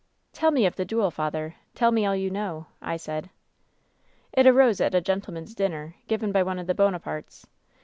" 'Tell me of the duel, father ! Tell me all you know,' I said. " 'It arose at a gentlemen's dinner, given by one of the Bonapartes.